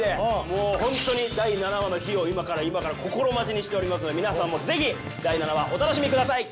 もう本当に第７話の日を今から心待ちにしておりますので皆さんもぜひ第７話お楽しみください。